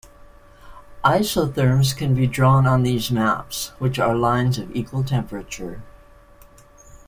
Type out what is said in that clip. Isotherms can be drawn on these maps, which are lines of equal temperature.